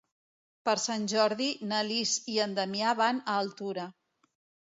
Per Sant Jordi na Lis i en Damià van a Altura.